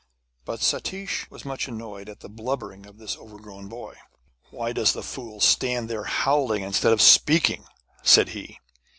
But Satish was much annoyed at the blubbering of this overgrown boy. 'Why does the fool stand there howling instead of speaking?' said he.